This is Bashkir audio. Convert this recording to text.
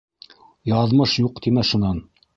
Яҙмыш юҡ тимә шунан!